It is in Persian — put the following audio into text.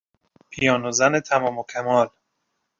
پیانو زن تمام و کمال